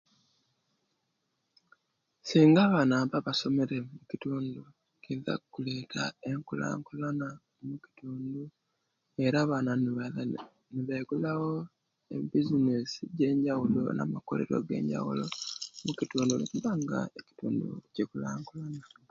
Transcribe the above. Singa abana abba basomere kukitundu kiza kuleta enkulankulana mukitundu era abana nebaiza nebaigulawo ebisines jenjabulo namakolero genjawulo mukitundu netuba nga ekitundu kikulankulana